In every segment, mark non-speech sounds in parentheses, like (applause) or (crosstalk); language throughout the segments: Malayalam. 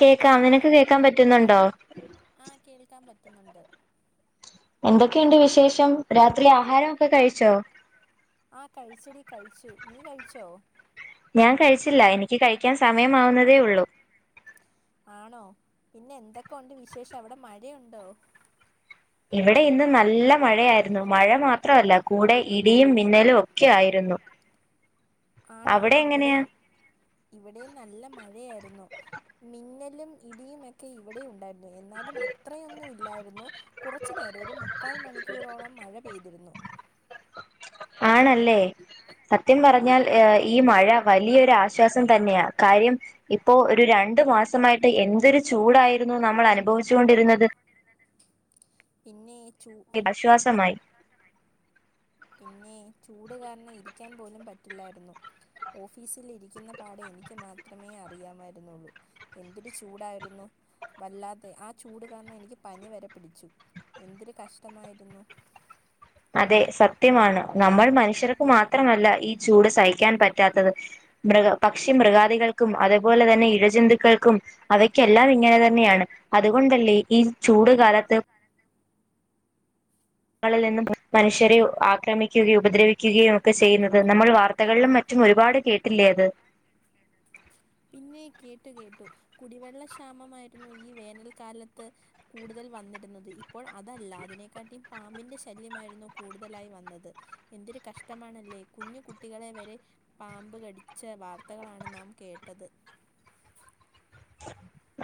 കേക്കാം നിനക്ക് കേക്കാൻ പറ്റുന്നുണ്ടോ റ്റുന്നുണ്ട് എന്തൊക്കെണ്ട് വിശേഷം? രാത്രി ആഹാരം ഒക്കെ കഴിച്ചോ ആഹ് കഴിച്ചെടി കഴിച്ചു. നീ കഴിച്ചോ? ഞാൻ കഴിച്ചില്ല എനിക്ക് കഴിക്കാൻ സമയമാവുന്നതേ ഉള്ളു. ആണോ പിന്നെ എന്തൊക്കെ ഉണ്ട് വിശേഷം അവിടെ മഴയുണ്ടോ? ഇവിടെ ഇന്ന് നല്ല മഴയായിരുന്നു മഴ മാത്രമല്ല കൂടെ ഇടിയും മിന്നലും ഒക്കെ ആയിരുന്നു. ആണോ അവിടെ എങ്ങനെയാ ഇവിടെയും ഇവിടെയും നല്ല മഴയായിരുന്നു മിന്നലും ഇടിയും ക്കെ ഇവിടെ ഉണ്ടായി എന്നാലും അത്രയൊന്നുമില്ലായിരുന്നു കുറച്ച് നേരം ഒരു മുക്കാൽ മണിക്കൂറോളം മഴ പെയ്തിരുന്നു ആണല്ലേ സത്യം പറഞ്ഞാൽ ഏ ഈ മഴ വലിയൊരു ആശ്വാസം തന്നെയാ കാര്യം ഇപ്പോ ഒരു രണ്ടു മാസമായിട്ട് എന്തൊരു ചൂടായിരുന്നു നമ്മൾ അനുഭവിച്ചു കൊണ്ടിരുന്നത് പിന്നെ ചൂ ആശ്വാസമായി പിന്നെ ചൂടുകാരണം ഇരിക്കാൻ പോലും പറ്റില്ലായിരുന്നു ഓഫീസിൽ ഇരിക്കുന്ന പാടെ എനിക്ക് മാത്രമേ അറിയാമായിരുന്നുള്ളൂ എന്തൊരു ചൂടായിരുന്നു വല്ലാതെ ആ ചൂട് കാരണം എനിക്ക് പനി വരെ പിടിച്ചു എന്തൊരു കഷ്ടമായിരുന്നു അതെ സത്യമാണ് നമ്മൾ മനുഷ്യർക്ക് മാത്രമല്ല ഈ ചൂട് സഹിക്കാൻ പറ്റാത്തത് മൃഗ പക്ഷി മൃഗാദികൾക്കും അതുപോലെ തന്നെ ഇഴജന്തുക്കൾക്കും അവയ്ക്കെല്ലാം ഇങ്ങനെ തന്നെയാണ് അതുകൊണ്ടല്ലേ ഈ ചൂട് കാലത്ത് ങ്ങളിൽ നിന്നും മനുഷ്യരെ ആക്രമിക്കുകയും ഉപദ്രവിക്കുകയും ഒക്കെ ചെയ്യുന്നത് നമ്മൾ വാർത്തകളിലും മറ്റും ഒരുപാട് കേട്ടില്ലേ അത് പിന്നെ കേട്ടു കേട്ടു കുടിവെള്ളക്ഷാമമായിരുന്നു ഈ വേനൽക്കാലത്ത് കൂടുതൽ വന്നിര് ന്നത് ഇപ്പോൾ അതല്ല അതിനെക്കാട്ടിം പാമ്പിൻ്റെ ശല്യമായിരുന്നു കൂടുതലായി വന്നത് എന്തൊരു കഷ്ടമാണല്ലേ കുഞ്ഞു കുട്ടികളെ വരെ പാമ്പ് കടിച്ച വാർത്തകളാണ് നാം കേട്ടത്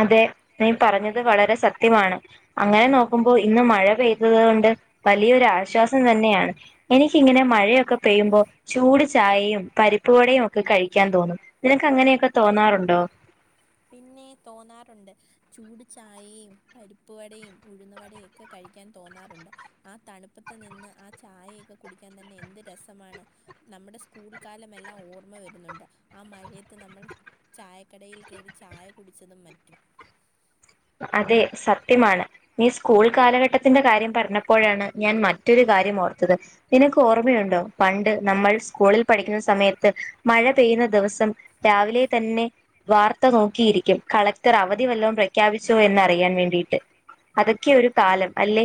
അതെ നീ പറഞ്ഞത് വളരെ സത്യമാണ് അങ്ങനെ നോക്കുമ്പോൾ ഇന്ന് മഴ പെയ്തത് കൊണ്ട് വലിയൊരു ആശ്വാസം തന്നെയാണ് എനിക്കിങ്ങനെ മഴയൊക്കെ പെയ്യുമ്പോ ചൂട് ചായയും പരിപ്പുവടയും ഒക്കെ കഴിക്കാൻ തോന്നും നിനക്ക് അങ്ങനെയൊക്കെ തോന്നാറുണ്ടോ പിന്നെ തോന്നാറുണ്ട് ചൂട് ചായയും പരിപ്പുവടയും ഉഴുന്നുവടൊക്കെ കഴിക്കാൻ തോന്നാറുണ്ട് ആ തണുപ്പത്ത് നിന്ന് ആ ചായയൊക്കെ കുടിക്കാൻ തന്നെ എന്ത് രസമാണ് നമ്മുടെ സ്കൂൾ കാലമെല്ലാം ഓർമ്മ വരുന്നുണ്ട് ആ മഴയത്ത് നമ്മൾ ചായക്കടയിൽ കേറി ചായ കുടിച്ചതും മറ്റും അതെ സത്യമാണ് നീ സ്കൂൾ കാലഘട്ടത്തിന്റെ കാര്യം പറഞ്ഞപ്പോഴാണ് ഞാൻ മറ്റൊരു കാര്യം ഓർത്തത് നിനക്ക് ഓർമ്മയുണ്ടോ പണ്ട് നമ്മൾ സ്കൂളിൽ പഠിക്കുന്ന സമയത്ത് മഴ പെയ്യുന്ന ദിവസം രാവിലെ തന്നെ വാർത്ത നോക്കിയിരിക്കും കളക്ടർ അവധി വല്ലം പ്ര ഖ്യാപിച്ചോ എന്നറിയാൻ വേണ്ടിയിട്ട് അതൊക്കെ ഒരു കാലം അല്ലേ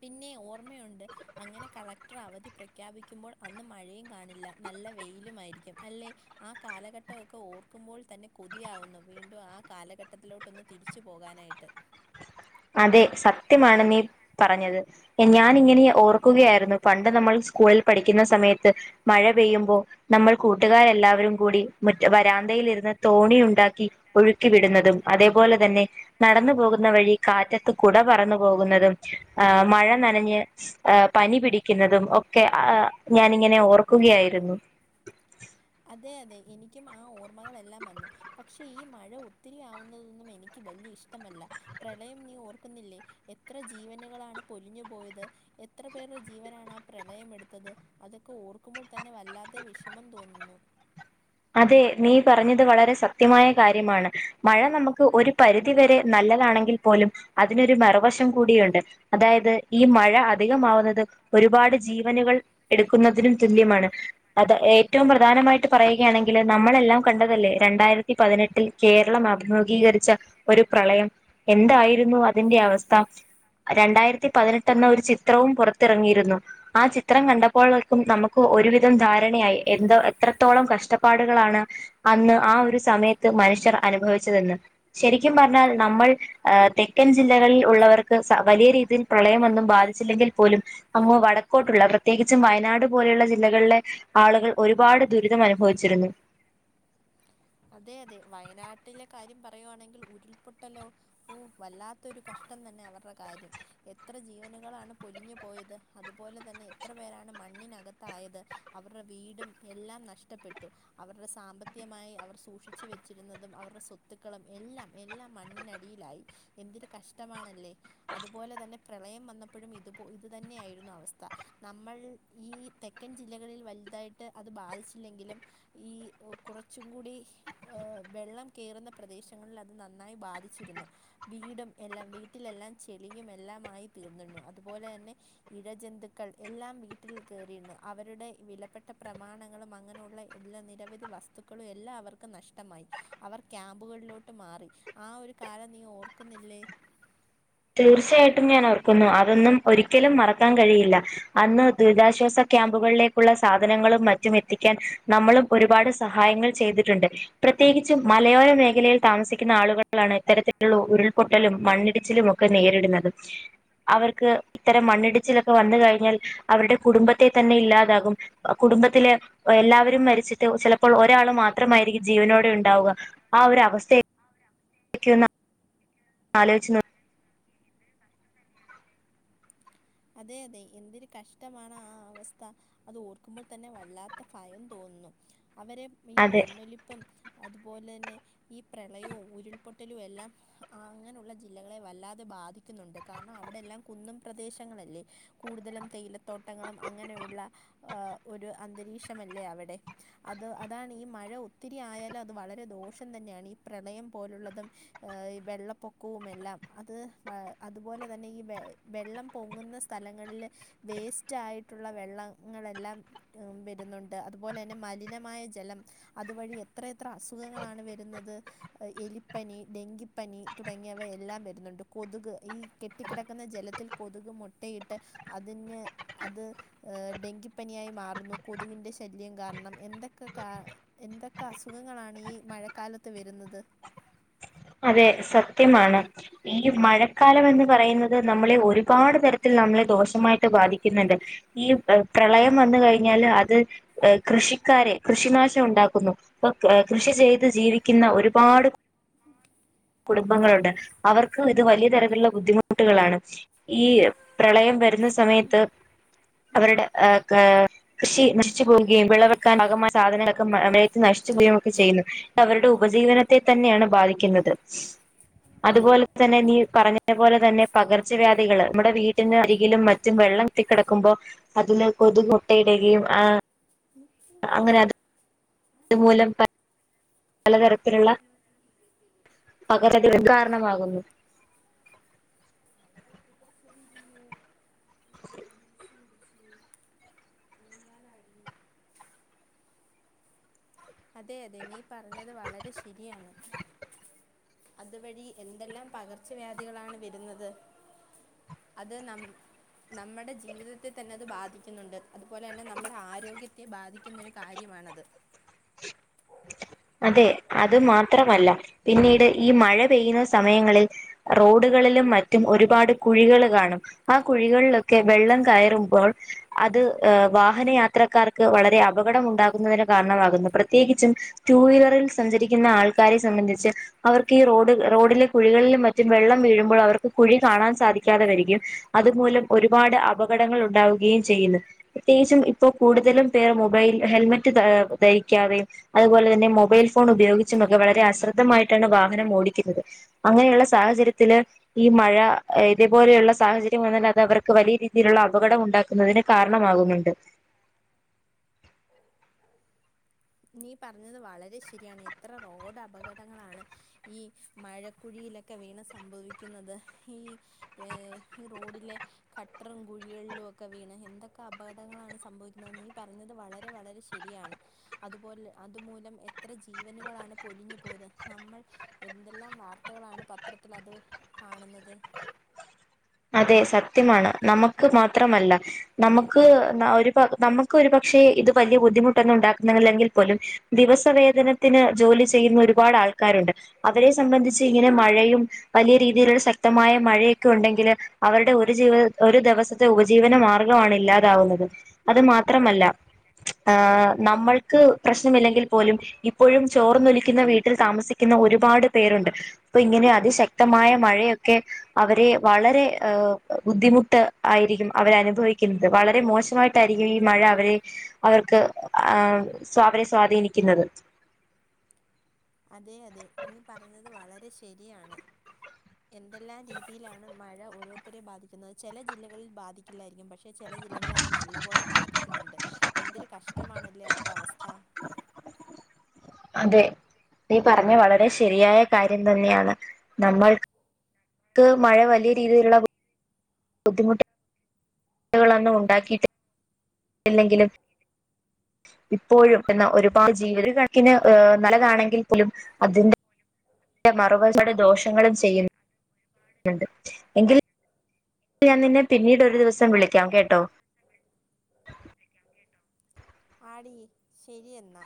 പിന്നെ ഓർമ്മയുണ്ട് അങ്ങനെ കളക്ടർ അവധി പ്രഖ്യാപിക്കുമ്പോൾ അന്ന് മഴയും കാണില്ല നല്ല വെയിലും ആയിരിക്കും അല്ലേ ആ കാലഘട്ടമൊക്കെ ഓർക്കുമ്പോൾ തന്നെ കൊതിയാവുന്നു വീണ്ടും ആ കാലഘട്ടത്തിലോട്ടൊന്ന് തിരിച്ചു പോകാനായിട്ട് അതെ സത്യമാണ് നീ പറഞ്ഞത് ഞാൻ ഇങ്ങനെ ഓർക്കുകയായിരുന്നു പണ്ട് നമ്മൾ സ്കൂളിൽ പഠിക്കുന്ന സമയത്ത് മഴ പെയ്യുമ്പോ നമ്മൾ കൂട്ടുകാരെല്ലാവരും കൂടി മുറ്റ വരാന്തയിലിരുന്ന് തോണി ഉണ്ടാക്കി ഒഴുക്കി വിടുന്നതും അതേപോലെ തന്നെ നടന്നു പോകുന്ന വഴി കാറ്റത്ത് കുട പറന്നു പോകുന്നതും ആ മഴ നനഞ്ഞ് ആ പനി പിടിക്കുന്നതും ഒക്കെ ആ ഞാനിങ്ങനെ ഓർക്കുകയായിരുന്നു അതെ അതെ എനിക്കും ആ ഓർമ്മകളെല്ലാം വന്നു പക്ഷെ ഈ മഴ ഒത്തിരി ആവുന്നതൊന്നും എനിക്ക് വലിയ ഇഷ്ടമല്ല പ്രളയം നീ ഓർക്കുന്നില്ലേ എത്ര ജീവനുകളാണ് പൊലിഞ്ഞു പോയത് എത്ര പേരുടെ ജീവനാണ് ആ പ്രളയം എടുത്തത് അതൊക്കെ ഓർക്കുമ്പോൾ തന്നെ വല്ലാതെ വിഷമം തോന്നുന്നു അതെ നീ പറഞ്ഞത് വളരെ സത്യമായകാര്യമാണ് മഴ നമുക്ക് ഒരു പരിധിവരെ നല്ലതാണെങ്കിൽ പോലും അതിനൊരു മറുവശം കൂടിയുണ്ട് അതായത് ഈ മഴ അധികമാവുന്നത് ഒരുപാട് ജീവനുകൾ എടുക്കുന്നതിനും തുല്യമാണ് അത് ഏറ്റവും പ്രധാനമായിട്ട് പറയ ണെങ്കിൽ നമ്മളെല്ലാം കണ്ടതല്ലേ രണ്ടായിരത്തി പതിനെട്ടിൽ കേരളം അഭിമുഖീകരിച്ച ഒരു പ്രളയം എന്തായിരുന്നു അതിന്റെ അവസ്ഥ രണ്ടായിരത്തി പതിനെട്ട് എന്ന ഒരു ചിത്രവും പുറത്തിറങ്ങിയിരുന്നു ആ ചിത്രം കണ്ടപ്പോളേക്കും നമുക്ക് ഒരുവിധം ധാരണയായി എന്തോ എത്രത്തോളം കഷ് കഷ്ടപ്പാടുകളാണ് അന്ന് ആ ഒരു സമയത്ത് മനുഷ്യർ അനുഭവിച്ചതെന്ന് ശരിക്കും പറഞ്ഞാൽ നമ്മൾ ആ തെക്കൻ ജില്ലകളിൽ ഉള്ളവർക്ക് വലിയ രീതിയിൽ പ്രളയംമൊന്നും ബാധിച്ചില്ലെങ്കിൽ പോലും അമ്മ് വടക്കോട്ടുള്ള പ്രത്യേകിച്ചും വയനാട് പോലെയുള്ള ജില്ലകളിലെ ആളുകൾ ഒരുപാട് ദുരിതം അനുഭവി ച്ചിരുന്നു അതെ അതെ വയനാട്ടിലെ കാര്യം പറയുവാണെങ്കിൽ ഉരുൾപൊട്ടലോ ഓ വല്ലാത്തരു കഷ്ടം തന്നെ അവരുടെ കാര്യം എത്ര ജീവനുകളാണ് പൊലിഞ്ഞു പോയത് അതുപോലെ തന്നെ എത്ര പേരാണ് മണ്ണിനകത്തായത് അവരുടെ വീടും എല്ലാം നഷ്ടപ്പെട്ടു അവരുടെ സാമ്പത്തികമായി അവർ സൂക്ഷിച്ച് വെച്ചിരുന്നതും അവരുടെ സ്വത്തുക്കളും എല്ലാം എല്ലാം മണ്ണിനടിയിലായി എന്തൊരു കഷ്ടമാണല്ലേ അതുപോലെ തന്നെ പ്രളയം വന്നപ്പോഴും ഇത്പോ ഇത് തന്നെയായിരുന്നു അവസ്ഥ നമ്മൾ ഈ തെക്കൻ ജില്ലകളിൽ വലുതായിട്ട് അത് ബാധിച്ചില്ലെങ്കിലും ഈ കുറച്ചും കൂടി എ വെള്ളം കയറുന്ന പ്രദേശങ്ങളിൽ അത് നന്നായി ബാധിച്ചിരുന്നു വീടും എല്ലാം വീട്ടിലെല്ലാം ചെളിയും എല്ലാംമായി തീർന്നിന്നു അതുപോലെ തന്നെ ഇഴജന്തുക്കൾ എല്ലാം വീട്ടിൽ കയറിയിരുന്നു അവരുടെ വിലപ്പെട്ട പ്രമാണങ്ങളും അങ്ങനെയുള്ള എല്ലാ നിരവധി വസ്തുക്കളും എല്ലാം അവർക്ക് നഷ്ടമായി അവർ ക്യാമ്പ്കളിലോട്ട് മാറി ആ ഒരു കാലം നീ ഓർക്കുന്നില്ലേ തീർച്ചയായിട്ടും ഞാൻ ഓർക്കുന്നു അതൊന്നും ഒരിക്കലും മറക്കാൻ കഴിയില്ല അന്ന് ദുരിതാശ്വാസ ക്യാമ്പുകളിലേക്കുള്ള സാധനങ്ങളും മറ്റും എത്തിക്കാൻ നമ്മളും ഒരുപാട് സഹായങ്ങൾ ചെയ്തിട്ടുണ്ട് പ്രത്യേകിച്ചും മലയോര മേഖലയിൽ താമസിക്കുന്ന ആളുകളാണ് ഇത്തരത്തിലുള്ള ഉരുൾപൊട്ടലും മണ്ണിടിച്ചിലും മോ ഒക്കെ നേരിടുന്നത് അവർക്ക് ഇത്തരം മണ്ണിടിച്ചിലൊക്കെ വന്ന കഴിഞ്ഞാൽ അവരുടെ കുടുംബത്തെ തന്നെ ഇല്ലാതാകും കുടുംബത്തിലെ എല്ലാവരും മരിച്ചിട്ട് ചിലപ്പോൾ ഒരാൾ മാത്രമായിരിക്കും ജീവനോടെ ഉണ്ടാവുക ആ ഒരു അവസ്ഥയെ ക്കുന്ന ആലോചിച്ച് നോ അതെ അതെ എന്തൊരു കഷ്ടമാണ് ആ അവസ്ഥ അത് ഓർക്കുമ്പോൾ തന്നെ വല്ലാത്ത ഭയം തോന്നുന്നു അവരെ ഈ അതെ മണ്ണൊലിപ്പും അതുപോലെ തന്നെ ഈ പ്രളയം ഉരുൾ പൊട്ടലുമല്ലെല്ലാം അങ്ങനെയുള്ള ജില്ലകളെ വല്ലാതെ ബാധിക്കുന്നഉണ്ട് കാരണം അവിടെയെല്ലാം കുന്നിൻ പ്രദേശ കൂടുതലും തേയിലത്തോട്ടങ്ങളും അങ്ങനെയുള്ള ഒരു അന്തരീക്ഷമല്ലേ അവിടെ അത് അതാണ് ഈ മഴ ഒത്തിരി ആയാലും അത് വളരെ ദോഷം തന്നെയാണ് ഈ പ്രളയം പോലുള്ളതും ഈ വെള്ളപ്പൊക്കവുംമെല്ലാം അത് അതുപോലെ തന്നെ ഈ വെള്ളം വെള്ള പൊങ്ങുന്ന സ്ഥലങ്ങളിൽ വേസ്റ്റ് ആയിട്ടുള്ള വെള്ളങ്ങളെല്ലാം വരുന്നുണ്ട് അതുപോലെ തന്നെ മലിനമായ ജലം അതുവഴി എത്ര എത്ര അസുഖങ്ങളാണ് വരുന്നത് എലിപ്പനി ഡെങ്കിപ്പനി തുടങ്ങിയവ എല്ലാം വരുന്നുണ്ട് കൊതുക് ഈ കെട്ടിക്കിടക്കുന്ന ജലത്തിൽ കൊതുക് മുട്ടയിട്ട് അതിന് അത് ഡെങ്കിപ്പനിയായി മാറുന്നു കൊതുകിന്റെ ശല്യം കാരണം എന്തൊക്കെ എന്തൊക്കെ അസുഖങ്ങളാണ് ഈ മഴക്കാലത്ത് വരുന്നത് അതെ സത്യമാണ് ഈ മഴക്കാലം എന്ന് പറയുന്നത് നമ്മളെ ഒരുപാട് തരത്തിൽ നമ്മളെ ദോഷമായിട്ട് ബാധിക്കുന്നുണ്ട് ഈ പ്രളയം വന്ന കഴിഞ്ഞാല് അത് കൃഷിക്കാരെ കൃഷിനാശം ഉണ്ടാക്കുന്നു അപ്പൊ കൃഷി ചെയ്ത് ജീവിക്കുന്ന ഒരുപാട് കുടുംബങ്ങളുണ്ട് അവർക്ക് ഇത് വലിയ തരത്തിലുള്ള ബുദ്ധിമുട്ടുകളാണ് ഈ പ്രളയം വരുന്ന സമയത്ത് അവരുടെ ആ കൃഷി നശിച്ചു പോവുകയും വിളവെക്കാൻകമായ സാധനങ്ങളൊക്കെയത്ത് നശിച്ചു പോവുകയും ഒക്കെ ചെയ്യുന്നു അവരുടെ ഉപജീവനത്തെ തന്നെയാണ് ബാധി ധിക്കുന്നത് അതുപോലെ തന്നെ നീ പറഞ്ഞതു പോലെ തന്നെ പകർച്ചവ്യാധികള് നമ്മുടെ വീട്ടിന അരികിലും മറ്റും വെള്ളം എത്തി കിടക്കുമ്പോ അതിന് കൊതു മോട്ടയിടുകയും ആ അങ്ങനെ അത് അത് മൂലം പലതരത്തിൽ ഉള്ള (unintelligible) (unintelligible) അതെ അതെ നീ പറഞ്ഞത് വളരെ ശരിയാണ് അതുവഴി എന്തെല്ലാം പകർച്ചവ്യാധികളാണ് വരുന്നത് അത് നം നമ്മുടെ ജീവിതത്തെ തന്നെ അത് ബാധിക്കുന്നുണ്ട് അതുപോലെ തന്നെ നമ്മുടെ ആരോഗ്യത്തെ ബാധിക്കുന്ന ഒരു കാര്യമാണത് അതെ അത് മാത്രമല്ല പിന്നീട് ഈ മഴ പെയ്യുന്ന സമയങ്ങളിൽ റോഡുകളിലും മറ്റും ഒരുപാട് കുഴികൾ കാണും ആ കുഴികളിലൊക്കെ വെള്ളം കയറുമ്പോൾ അത് ഏ വാഹന യാത്രക്കാർക്ക് വളരെ അപകടം ഉണ്ടാകുന്നതിന് കാരണമാകുന്നു പ്രത്യേകിച്ചും ടു വീലറിൽ സഞ്ചരിക്കുന്ന ആൾക്കാരെ സംബന്ധിച്ച് അവർക്ക് ഈ റോഡ് റോഡിലെ കുഴികളിലും മറ്റും വെള്ളം വീഴുമ്പോൾ അവർക്ക് കുഴി കാണാൻ സാധിക്കാതെ വരികയും അതുമൂലം ഒരുപാട് അപകടങ്ങൾ ഉണ്ടാവുകയും ചെയ്യുന്നു പ്രത്യേകിച്ചും ഇപ്പോൾ കൂടുതലും പേർ മൊബൈൽ ഹെൽമെറ്റ് ധരിക്കാതെയും അതുപോലെ തന്നെ തന്നെ മൊബൈൽ ഫോൺ ഉപയോഗിച്ചുമൊക്കെ വളരെ അശ്രദ്ധമായിട്ടാണ് വാഹനം ഓടിക്കുന്നത് അങ്ങനെയുള്ള സാഹചര്യത്തില് ഈ മഴ ഇതേപോലെയുള്ള സാഹചര്യം വന്നാൽ അത് അവർക്ക് വലിയ രീതിയിലുള്ള അപകടം ഉണ്ടാക്കുന്നതിന് കാരണമാകുന്നുണ്ട് നീ പറഞ്ഞത് വളരെ ശരിയാണ് എത്ര റോഡ് അപകടങ്ങളാണ് ഈ മഴക്കുഴിയിലൊക്കെ വീണ് സംഭവിക്കുന്നത് ഈ ഏർ ഈ റോഡിലെ കട്ടറും കുഴികളിലും ഒക്കെ വീണ് എന്തൊക്കെ അപകടങ്ങളാണ് സംഭവിക്കുന്നത് നീ പറഞ്ഞത് വളരെ വളരെ ശ ശരിയാണ് അതുപോലെ അതുമൂലം എത്ര ജീവനുകളാണ് പൊലിഞ്ഞു പോയത് നമ്മൾ എന്തെല്ലാം വാർത്തകളാണ് പത്രത്തിൽ അത് കാണുന്നത് അതെ സത്യമാണ് നമുക്ക് മാത്രമല്ല നമുക്ക് ഒരു നമുക്ക് ഒരു പക്ഷേ ഇത് വലിയ ബുദ്ധിമുട്ടൊന്നും ഉണ്ടാക്കുന്നില്ലെങ്കിൽ പോലും ദിവസവേതനത്തിന് ജോലി ചെയ്യുന്ന ഒരുപാട് ആൾക്കാരുണ്ട് അവരെ സംബന്ധിച്ച് ഇങ്ങനെ മഴയും വലിയ രീതിയിലുള്ള ശക്തമായ മഴയൊക്കെ ഉണ്ടെങ്കില് അവരുടെ ഒരു ജീവ ഒരു ദിവസത്തെ ഉപജീവന മാർഗ്ഗമാണ് ഇല്ലാതാവുന്നത് അത് മാത്രമല്ല ഏഹ് നമ്മൾക്ക് പ്രശ്നമില്ലെങ്കിൽ പോലും ഇപ്പോഴും ചോർന്നൊലിക്കുന്ന വീട്ടിൽ താമസിക്കുന്ന ഒരുപാട് പേരുണ്ട് അപ്പൊ ഇങ്ങനെ അതിശക്തമായ മഴയൊക്കെ അവരെ വളരെ ബുദ്ധിമുട്ട് ആയിരിക്കും അവര് അനുഭവിക്കുന്നത് വളരെ മോശമായിട്ടായിരിക്കും ഈ മഴ അവരെ അവർക്ക് ആ അവരെ സ്വാധീനിക്കുന്നത് അതെ അതെ നീ പറഞ്ഞത് വളരെ ശരിയാണ് എന്തെല്ലാം രീതിയിലാണ് മഴ ഓരോരുത്തരെ ബാധിക്കുന്നത് ചില ജില്ലകളിൽ ബാധിക്കില്ലായിരിക്കും പക്ഷെ പക്ഷെ ചില ജില്ലകൾ അത് നല്ല പോലെ ബാധിക്കുന്നുണ്ട് ഏത്തൊരു കഷ്ടമാണല്ലേ അവരുടെ അവസ്ഥ ഫാ അതെ നീ പറഞ്ഞ വളരെ ശരിയായ കാര്യം തന്നെയാണ് നമ്മൾക്ക് മഴ വലിയ രീതിയിലുള്ള ബുദ്ധിമുട്ടൊന്നും ഉണ്ടാക്കിട്ട് ഇല്ലെങ്കും ഇപ്പോഴും എന്ന ഒരുപാട് ജീവിത കണക്കിന് നല്ലതാണെങ്കിൽ പോലും അതിന്റെ അതിന്റെ മറുവശത്തു ഒരുപാട് ദോഷങ്ങളും ചെയുന്നുണ്ട് എങ്കിലും ഞാൻ നിന്നെ പിന്നീട് ഒരു ദിവസം വിളിക്കാം കേട്ടോ ആടി ശരി എന്നാ